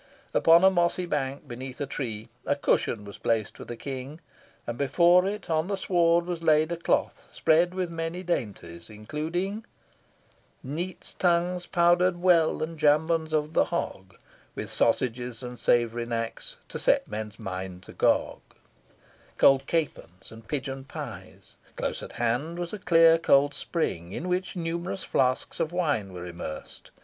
Upon a mossy bank beneath a tree, a cushion was placed for the King, and before it on the sward was laid a cloth spread with many dainties, including "Neats' tongues powder'd well, and jambons of the hog, With sausages and savoury knacks to set men's minds agog" cold capons, and pigeon pies. Close at hand was a clear cold spring, in which numerous flasks of wine were immersed.